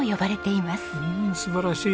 うん素晴らしい。